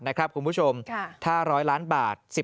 นะครับคุณผู้ชมถ้า๑๐๐ล้านบาท